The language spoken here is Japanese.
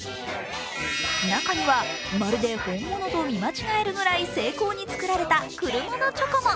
中には、まるで本物と見間違えるぐらい精巧に作られた車のチョコも。